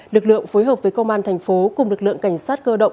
lực lượng phối hợp với công an thành phố cùng lực lượng cảnh sát cơ động